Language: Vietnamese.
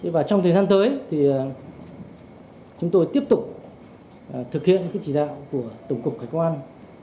và trong thời gian tới thì chúng tôi tiếp tục thực hiện chỉ đạo của tổng cục hải quan